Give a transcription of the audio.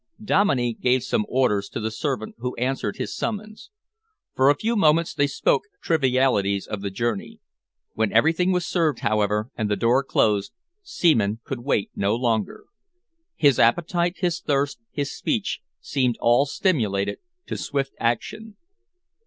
Dominey gave some orders to the servant who answered his summons. For a few moments they spoke trivialities of the journey. When everything was served, however, and the door closed, Seaman could wait no longer. His appetite, his thirst, his speech, seemed all stimulated to swift action.